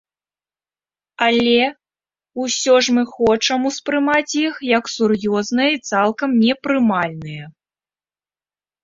Але ўсё ж мы хочам ўспрымаць іх як сур'ёзныя і цалкам непрымальныя.